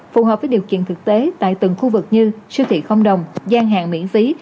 phù hợp với điều kiện thực tế tại từng khu vực như siêu thị không đồng gian hàng miễn phí